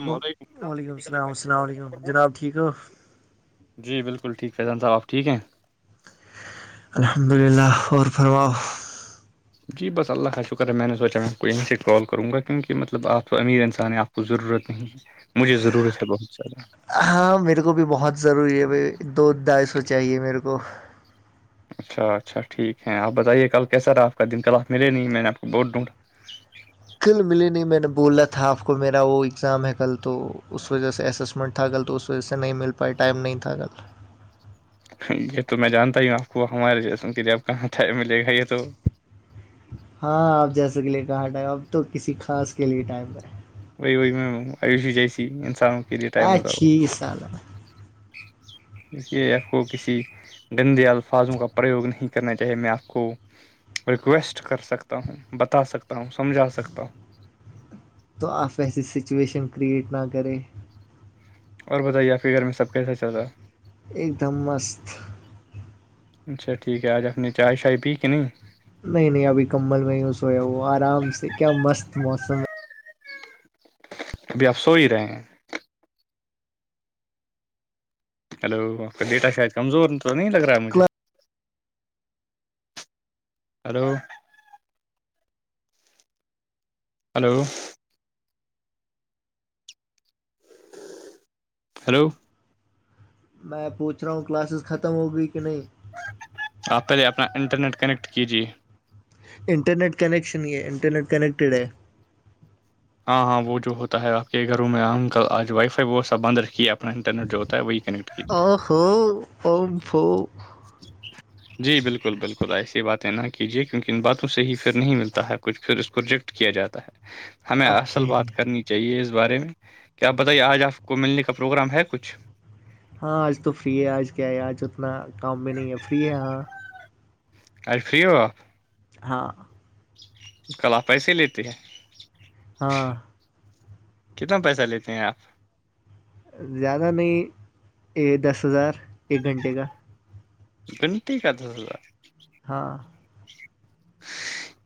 وعلیکم وعلیکم السلامسلام علیکم جناب ٹھیک ہو جی بالکل ٹھ ہےییدان صاح آپ ٹھیک ہیں الحمد للہ اور فرماؤ جی بس اللہ کا شکر ہے میں نے سوچا میں آپ کو یہیں سے کال کروں گا کیونکہ مطلب آپ کو امیر انسان ہیں آپ کو ضرورت نہیں ہے مجھے ضرورت ہے بہت زیادہ ہاں میرے کو بھی بہت ضروری ہے بھائی دو دائشو چاہیے میرے کو اچھا اچھا ٹھیک ہے آپ بتائیے کل کیسا رہا آپ کا دن کل آپ ملے نہیں میں آپ کو بوٹ ڈوںونڈا کل ملیے نہیں میں نے بولا تھا آپ کو میرا وہ ایگزام ہے کل تو اس وجہ سے ایس ایس منٹ تھا کل تو اس وجہ سے نہیں مل پائے ٹائم نہیں تھا کل یہ تو میں جانتا ہی ہوں آپ کو ہمارے جیسن کے لیے آپ کہاں ٹائم ملے گا یہ تو ہاں آپ جا سک لیے کہاں ٹائم اب تو کسی خاص کے لیے ٹائم پر ہے وہی وہی میں آیوشی جیسی انسانوں کے لیے ٹائم ہوگ اچھی بت سال اسے آپ کو کسی گندے الفاظوں کا پرریوگ نہیں کرنا چاہیے میں آپ کو ریکویسٹ کر سکتا ہوں بتا سکتا ہوں سمجھا سکتا ہوں تو آپ ایسی سچویشن کریئٹ نہ کریں اور بتائیے یا ف گگر میں سب کیسا چلتا ہے ایک دم مست اچھا ٹھیک ہے آج اپنی چائے شائے پی کہ نہیں نہیں نہیں ابھی کمل میںی سویا وہ آرام سے کیا مست موسم ہے ابھی آپ سو ہی رہے ہیں ہلو بیٹا شاید کمزور تو نہیں لگ رہا ہے مجھے اور ہلو ہیلو میں پوچھ رہا ہوں کلاسز ختم ہو گئی کہ نہیں آپ پہلے اپنا انٹرنیٹ کنیکٹ کیجیے انٹرنیٹ کنیکشن یہ ہے انٹرنیٹ کنیکٹیڈ ہے ہاں ہاں وہ جو ہوتا ہے آپ کے گھروں میں ہم آج وائی فائی وہ سب بند رکھیے اپنا انٹرنیٹ جو ہوتا ہے وہی کنیکٹ کیجیے آخر ان سو [unintelligible] ج [unintelligible] جی بالکل بالکل ایسی باتیں نہ کیجے کیونک ان باتوں سے ہی پھر نہیں ملتا ہے کچھ پھر اس پروجیکٹ کیا جاتا ہے ہمیں اصل اوکے بات کرنی چاہیے اس بارے میں کیا آپ بتائیے آج آپ کو ملنے کا پروگرام ہے کچھ ہاں آج تو فری ہے آج کیا ہے آج اتنا کام بھی نہیں ہے فری ہے ہاں ا فری ہو ہاں کل آ پیسے لیتے ہے ہاں کتنا پیسہ لیتے ہیں آپ زیادہ نہیں دس ہزار ایک گھنٹے کا بنٹی کا تھاا ہاں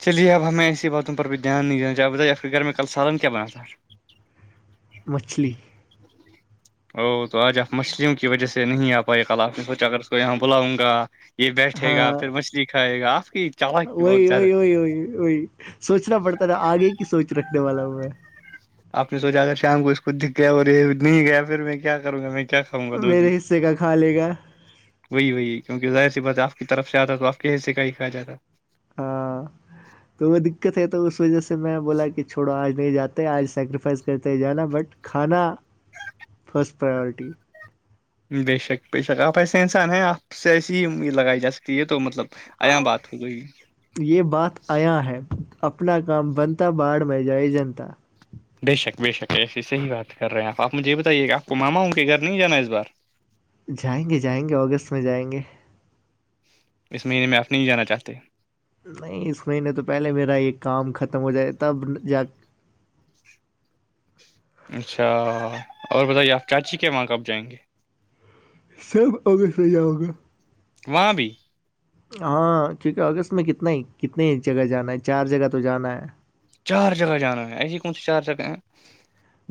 چلیے اب ہمیں ایسی باتوں پر بھی دھیان نہیں دینا چاہے بتائیے آپ کے گھر میں کل سالن کیا بناات تھا مچھلی او تو آج آپ مچھلیوں کی وجہ سے نہیں آ پائے کل آپ نے سوچا اگر اس کو یہاں بلاؤں گا یہ بیٹھے گا ہاں پھر مچھلی کھائے گا آپ کی چالاکی بہت وہی زیادہ وہی وہی وہی وہی سوچنا پڑتا تھا آگے کی سوچ رکھنے والا ہوں میں آپ نے سوچا اگر شام کو اس کو دکھ گیا اور یہ نہیں گیا پھر میں کیا کروں گا میں کیا پؤوں گا دو دن میرے حصے کا کھا لے گا وہی وہی کیونک ظاہر سی بات آپ کی طرف سے آتا ہے تو آپ کے حصے کا ہی کھیا جاتا ہاں تو وہ دقت ہے تو اس وجہ سے میں بولا کہ چوڑو آج نہیں جاتے آج سیکریفائز کرتے جانا بٹ کھانا فسٹ پرائیورٹی بے شک بے شک آپ ایسے انسان ہیں آپ سے ایسی ہی لگائی جا سکتی ہے تو مطلب آیا بات ہو گئی یہ بات آیا ہے اپنا کام بنتا باڑ میں جائے جنتا بے شک بے شک ایسی صحیح بات کر رہے ہیں آپ آپ مجھے بتائیے کہ آپ کو ماما ہوں کہ گھر نہیں جانا اس بار جائیں گے جائیں گے اگست میں جائیں گے اس مہینے میں آپ نہیں جانا چاہتے نہیں اس مہینے تو پہلے میرا یہ کام ختم ہو جائے تب جا اچھا اور بتائیے آپ چاچی کے وہاں کب جائیں گے صرف اگ سے ہوگا وہاں بھی ہاں کیونکہ اگست میں کتنا ہی کتنے جگہ جانا ہے چار جگہ تو جانا ہے چار جگہ جانا ہے ایسی کون سی چار جگہ ہیں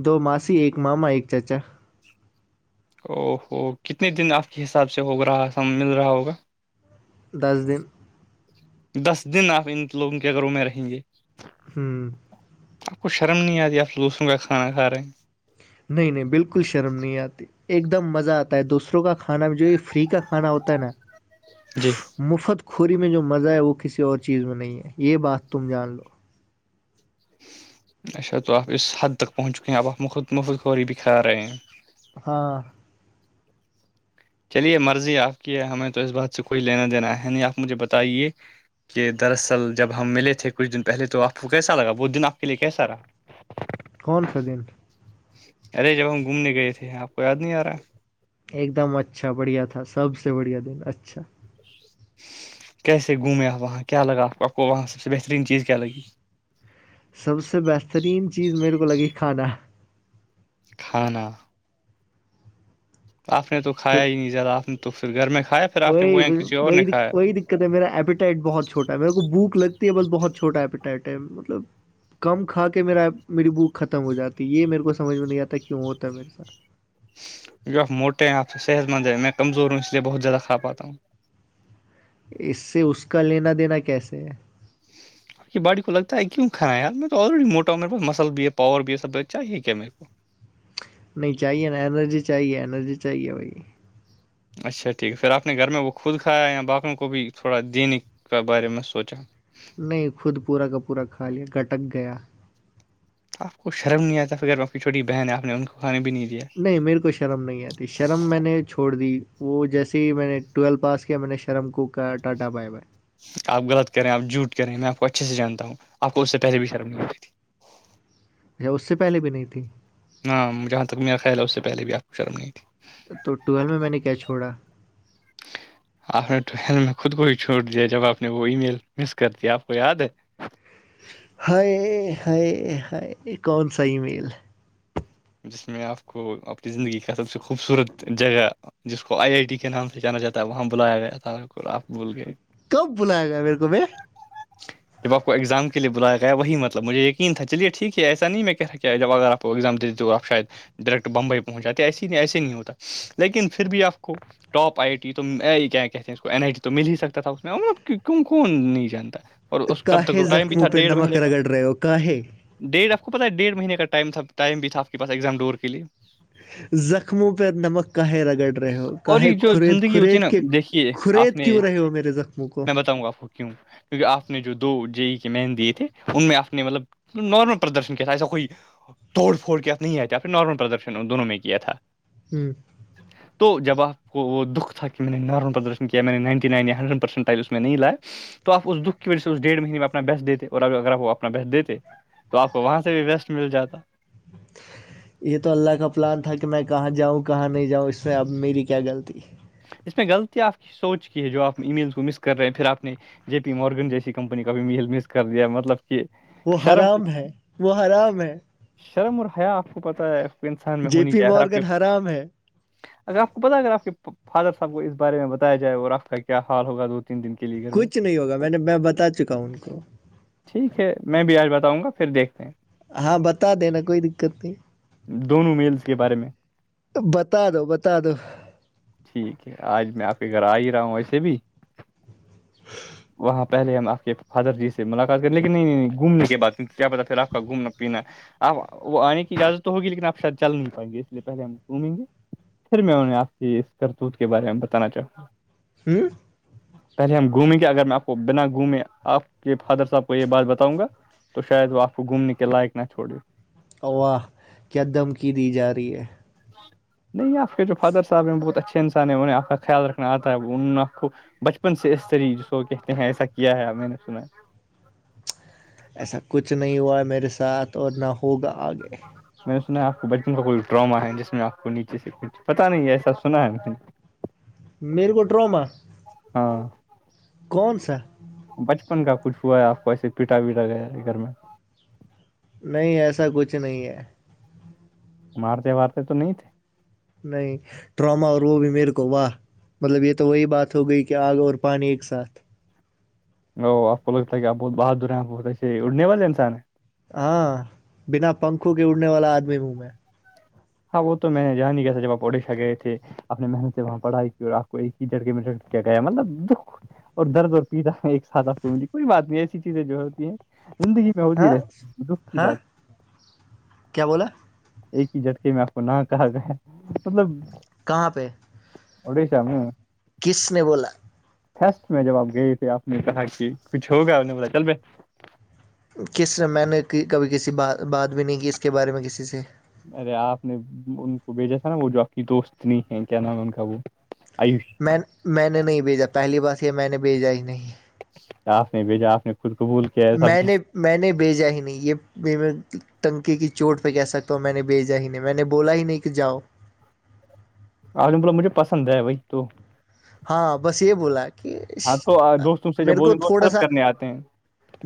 دو ماسی ایک ماما ایک چاچا او ہوو کتنے دن آپ کے حساب سے ہو رہا س مل رہا ہوگا دس دن دس دن آپ ان لوگوں کے گھروں میں رہیں گے ہوں آپ کو شرم نہیں آتیی آپ لوسوں کا کھانا کھا رہے ہیں نہیں نہیں بالکل شرم نہیں آتی ایک دم مزہ آتا ہے دوسروں کا کھانا میں جو یہ فری کا کھانا ہوتا ہے نا جی مفت کھوری میں جو مزہ ہے وہ کسی اور چیز میں نہیں ہے یہ بات تم جان لو اس کا جواب اس حد تک پہنچ چکے ہیں اب ہم خود مخدوری بھی کرا رہے ہیں ہاں چلیے مرضی آپ کی ہمیں تو اس بات سے کوئی لینا دینا ہے نہیں آپ مجھے بتائیے کہ دراصل جب ہم ملے کچھ دن پہلے تو آپ کو کیسا لگا وہ دن آپ کے لیے کیسا رہا ہ [unintelligible] کون سا دن ارے جب ہم گھومنے گئے تھے آپ کو یاد نہیں آ رہا ہے ایک دم اچھا بڑھیا تھا سب سے بڑھیا دن اچھا کیسے گھومے آپ وہاں کیا لگا آپ آپ کو وہاں سب سے بہترین چیز کیا لگی سب سے بہترین چیز میرے کو لگی کھانا کھانا آپ نے تو کھایا ہی نہیں زیادا آپ نے تو پھر گھر میں کھایا پھر وہ آپ نے یہاں کسی اور نے وک کھایا ودک کہتے میرا ایپیٹائٹ بہت چھوٹا ہے میرے کو بھک لگتی ہے بس بہت چھواپیٹائٹ ہے مطلب کم کھا کے میرا میری بوک ختم ہو جاتی ہے یہ میرے کو سمجھ میں نہیں آتا کیوں ہوتا ہے میرے ساتھ جو آپ موٹے ہیں آپ سے صحت مند ہے م میں کمزور ہوں اس لیے بہت زیادہ کھا پاتا ہوں اس سے اس کا لینا دینا کیسے ہے آپ بای کو لگتا ہے کیوں کھا یار میں تو آلریی موٹاوں میرےا مل بھی ہے پاور بھی ہے سب چاہے کیا میرے کو نہیں چاہیے نا انرجی چاہیے انرجی چاہیے بھائی اچھا ٹھیک ہے پھر آپ نے گھر میں وہ خود کھایا یا باقیوں کو بھی تھوڑا دینے کا بارے میں سوچا نہیں خود پورا کا پورا کھا لیا گھٹک گیا آپ کو شرم نہیں آتا پ ا آپ کی چھوٹی بہن آپ نے ان کو کھانا بھی نہیں دیا نہیں میرے کو شرم نہیں آتی شرم میں نے چھوڑ دی وہ جیسے ہی میں نے ٹویل پاس کیا میں نے شرم کو کا ٹاٹا بائے بائے آپ غلط کریں آپ جھٹ کریں میں آپ کو اچھے سےانتا ہوں آپ کو اس سے پہلے بھی شرم نہیں ہو ستیی اچھا اس سے پہلے بھی نہیں تھی ہاں جہاں تک میرا خیال ہے اس سے پہلے بھی آپ کو شرم نہیں تھی تو ٹویلو میں نے کیا چھوڑا آپ نے ٹوہل میں خود کو ہی چھوڑ دیا جب آپ نے وہ ای میل مس کر دیا آپ کو یاد ہے ہائے ہائے ہائے کون سا ای میل جس میں آپ کو اپپنی زندگی کا سب سے خوبصورت جگہ جس کو آئی آئی ٹی کے نام سے جانا جا ہے وہاں بلایا گیا تھا آپ کو کب بلایا گا میرے کو میں [inaudible] جب آپ کو ایگزام کے لیے بلایا وہی مطلبجھے یقین تھا چلیےٹھیک ہے ایسا نہیں میں کہ تھا کیا کہ جب اگر آپ کو ایگزام دے د آپ شاید ڈائریکٹ بمبئی پہنچ جاتے ایسے ہی نہیں ایسے نہیں ہوتا لیکن پھر بھی آپ کو ٹاپ آئی ٹی تو کیا کہتے ہیں اس کو این آئی ٹی تو مل ہی سکتا تھا اس میںب کیوں کون نہیں جانتا اور اس تب تک کاہے وہ ٹائم بھی تھا زخموں پہ ڈیڑھ نمک مہینے کا رگڑ رہے ہو کاہے ڈیٹ آپ کو پتہ ہے ڈیڑھ مہینے کا ٹائم تھا ٹائم بھی تھا آپ کے پاس ایگزام ڈور کے لیے زخموں پ نمک کااہے رگڑ رہے ہو اور کااہے یہ جو خرید زندگی ہوتی ہے خرید نا کے دیکھیے آپ خرید نے کیوں رہے ہو میرے زخموں کو میں بتاؤں گ آپ کو کیوں کیکہ آپ نے جو دو جے ای کے مین دیے تھے ان میں آپ نے مطلب نارمل پردرشن کیا تھا ایسا کوئی توڑ پھوڑ کیا تھا نہیں آیا آپ نے نارمل پردرشن ان دونوں میں کیا تھا ہوں [inaudible] تو جب آپ کو وہ دکھ تھا کہ میں نے نارول پردرشن کیا میں نے نائنٹی نائنیا ہنریڈ پرسینٹ ٹائل اس میں نہیں لائے تو آپ اس دکھ کی وجہ سے اس ڈیڑھ مہینے میں اپنا بیس دیتے اور ا اگر آپ وہ اپنا بیس دیتے تو آپ کو وہاں سے بھی بیسٹ مل جاتا [inaudible] یہ تو اللہ کا پلان تھا کہ میں کہاں جاؤں کہاں نہیں جاؤں اس سے اب میری کیا غلطی اس میں غلطی آپ کی سوچ کی ہے جو آ ای میل کو مس کر رہے ہیں پھر آپ نے جے پی مارگن جیسی کمپنی کا بھی میل مس کر دیا مطلب کہ وہ شرم حرام ہے وہ حرام ہے شرم اور حیا آپ کو پتہ ہے آ انسان میں جے ہونی پی چاہیےر آپ کی مورگن حرام ہے اگر آپ کو پتاہ اگر آپ کے فادر صاحب کو اس بارے میں بتایا جائے اور آپ کا کیا حال ہوگا دن کے لیےئے کچھ نہیں ہوگا میں نے میں بتا چکا ہوں ان کو ٹھیک ہے میں بھی آج بتاؤں گا پھر دیکھتے ہیں ہاں بتا دینا کوئی دقت نہیں دونوں میلز کے بارے میں بتا دو بتا دو ٹھیک ہے آج میں آپ کے گھر آ ہی رہا ہوں ویسے بھی وہاں پہلے ہم آ کے فادر جی سے ملاقات کریں لیکن نہیں گھومنے کے بع کیا پتا پھر آپ کا گھومنا پینا آپ وہ آنے کی اجازت تو ہوگی لیکن آپ شاید جل نہیں پائیں گے اس لیے پہلے ہم گھومیں گے پھر میں انہیں آپ کی اس کرتوت کے بارے میں بتانا چاہوں گا ہوں پہلے ہم گھومیں گے اگر میں آپ کو بنا گھومے آپ کے فادر صاحب کو یہ بات بتاؤں گا تو شاید وہ آپ کو گومنے کے لائق نہ تھوڑی اواہ کیا دھمکی دی جا رہی ہے نہیں آپ کے جو فادر صاحب ہیں بہت اچھے انسان ہیں انہیں آپ کا خیال رکھنا آتا ہے انہوں آپ کو بچپن سے اس طریح سو کہتے ہیں ایسا کیا ہے میں نے سنا ہے ایسا کچھ نہیں ہوا ہے میرے ساتھ اور نہ ہوگا آگے میں نے سنا ہے آپ کو بچپن کا کوئی ڈرامہ ہے جس میں آپ کو نیچے سے کچ پتہ نہیں ایسا سنا ہے [unintelligible] میرے گوو ڈروما ہاں کون سا بچپن کا کچھ ہوا ہے آپ کو ایسے پیٹا وٹا گیا گھر میں نہیں ایسا کچھ نہیں ہے مارتے وارتے تو نہیں تھے نہیں ٹراما اور وہ بھی میرے کو واہ مطلب یہ تو وہی بات ہو گئی کہ آگ اور پانی ایک ساتھ او آپ کو لگتا ہے آپ بہت بہر دور ہیں آپ بہت ایسے اڑنے والے انسان ہیں ہاں بنا پنکھوں کے اڑنے والا آدمی ہوں میں ہاں وہ تو میں نے جہانی کیا تھا جب آپ پڑیشا گئے تھے اپنے محن سے وہاں پڑھائی کی اور آپ کو ایک ہی جڑکے میں کیا گیا مطلب دکھ اور درد اور پیتاا ایک ساتھ آپ کو ملی کوئی بات نہیں ایسی چیزیں جو ہوتی ہیں زندگی میں ہو ج ہاں رہے دکھ کی ہاں بات کیا بولا ایک ہی جھٹکے میں آپ کو نہ کہا گیا مطلب کہاں پہ اڑیس میں کس نے بولا سٹ میں جب آپ گئے تھے آپ نے کہا کہ کچھ ہوگا آپ نے پتا چل ب کس میں نے کبھی کسی ب بات بھی نہیں کی اس کے بارے میں کسی سے ارے آپ نے ان کو بھیجا تھا نا وہ جو آپ کی دوست نہیں ہے کیا نام ہے ان کا وہ آیوش میں میں نے نہیں بھیجا پہلی بات یہ میں نے بھیجا ہی نہیں آپ نے بھیجا آپ نے خود قبول کیا ہے سب میں ک نے میں نے بھیجا ہی نہیں یہ نکی کی چوٹ پہ کہہ سکتا ہوں میں نے بھیجا ہی نہیں میں نے بولا ہی نہیں کہ جاؤ آالم ب مجھے پسند ہے وہی تو ہاں بس یہ بولا کہ ہاں تو آ، دوست تم سے جب میرے کو بولیں دوست تھوڑا ہیلپ سا کرنے آتے ہیں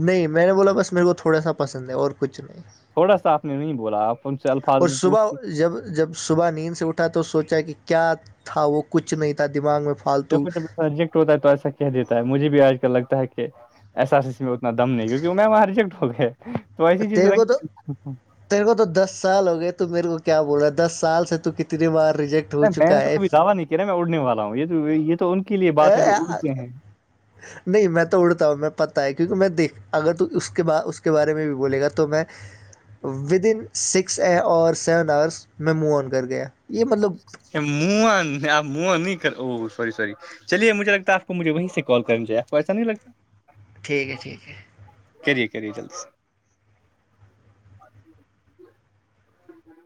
نہیں میں نے بولا بس میرے کو تھوڑا سا پسند ہے اور کچھ نہیں تھوڑا سا آپ نے نہیں بولا آپ ان سے الفاظ اور بھی پوچھ صبح کے جب جب صبح نیند سے اٹھا تو سوچا کہ کیا تھا وہ کچھ نہیں تھا دماغ میں پ دیکھو جب ایسا ریجیکٹ ہوتا ہے تو ایسا کہ دیتا ہے مجھے بھی آج کل لگتا ہے کہ ایسا اتنا دم نہیں کیونکہ میں وہاں ریجیکٹ ہو گیا تو ایسی چیز تیرے کو تو رکھھی تیرے کو تو دس سال ہو گئے تو میرے کو کیا بول رہا دس سال سے تو کتنی بار ریجیکٹ ہو نہیں میں چکا نے ہے توب دعوی نہیں کیا نا میں اڑنے والا ہوں یہ یہ تو ان کے لیے بات ہے جو اڑتے ہیں [unintelligible] نہیں میں تو اڑتا ہوں میں پتہ ہے کیونکہ میں دیکھ اگر تو اس کے ب اس کے بارے میں بھی بولے گا تو میں ود ان سکس اے اور سیون آورس میں مو آن کر گیا یہ مطلب من آ م نہیں ا سور سور چلیے مجھے لگتا آپ کو مجھے وہیں سے کال کریں چیے آپ کو ایسا نہیں لگتا ٹھیک ہے ٹھیک ہے کریے کریے چلس